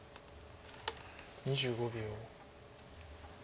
２５秒。